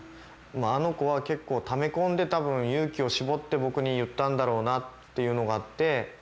あの子は結構ため込んでた分勇気を絞って僕に言ったんだろうなっていうのがあって。